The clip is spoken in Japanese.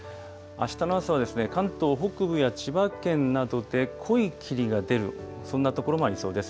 あした朝は関東北部や千葉県などで濃い霧が出る、そんな所もありそうです。